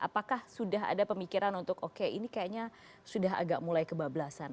apakah sudah ada pemikiran untuk oke ini kayaknya sudah agak mulai kebablasan